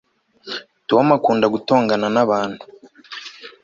tom akunda gutongana n'abantu